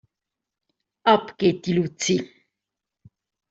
Ab geht die Luzi.